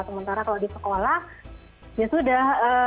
sementara kalau di sekolah ya sudah